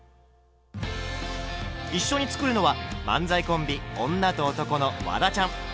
一緒に作るのは漫才コンビ「女と男」のワダちゃん。